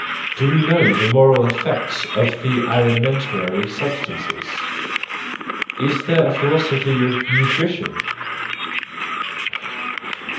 Do we know the moral effects of the alimentary substances ? Is there a philosophy of nutrition?